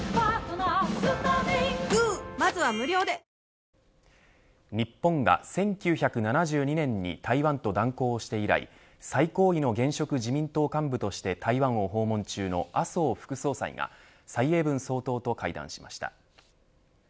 しみるごほうびだ日本が１９７２年に台湾と断交して以来最高位の現職自民党幹部として台湾を訪問中の麻生副総裁が蔡英文総統と会談しました。